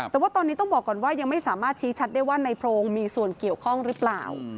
แต่ว่าตอนนี้ต้องบอกก่อนว่ายังไม่สามารถชี้ชัดได้ว่าในโพรงมีส่วนเกี่ยวข้องหรือเปล่า